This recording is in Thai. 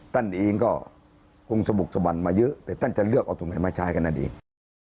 ท่านเองก็คงสบุกสบั่นมาเยอะแต่ท่านจะเลือกเอาตรงไหนมาใช้กันนั่นเอง